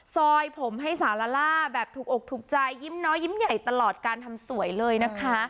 ซอยผมให้สาวลาล่าแบบถูกอกถูกใจยิ้มน้อยยิ้มใหญ่ตลอดการทำสวยเลยนะคะ